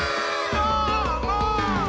どーも！